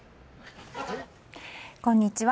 こんにちは。